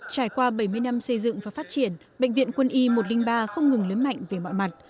trải qua bảy mươi năm xây dựng và phát triển bệnh viện quân y một trăm linh ba không ngừng lớn mạnh về mọi mặt